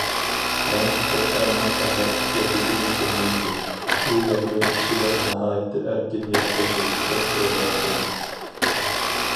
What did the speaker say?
‹‹ مەن چەت ئەلنىڭ قانداق ئىكەنلىكىنى بىلمەيتتىم، ئۇ يەردە كىشىلەر ناھايىتى ئەركىن ياشايدۇ، دەپ ئويلايتتىم››.